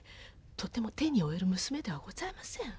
とても手に負える娘ではございません。